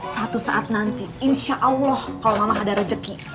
suatu saat nanti insya allah kalau mama ada rezeki